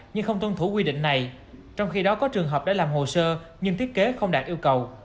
nhưng không tuân thủ quy định này trong khi đó có trường hợp đã làm hồ sơ nhưng thiết kế không đạt yêu cầu